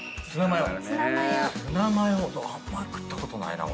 ツナマヨあんまり食ったことないな俺。